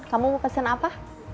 kamu mau pesen apa